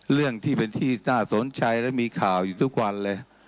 เรื่องที่เป็นที่น่าสนใจและมีข่าวอยู่ทุกวันเลย